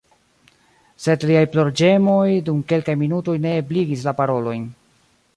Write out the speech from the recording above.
Sed liaj plorĝemoj dum kelkaj minutoj neebligis la parolojn.